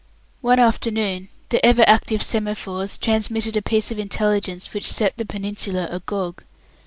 One afternoon ever active semaphores transmitted a piece of intelligence which set the peninsula agog.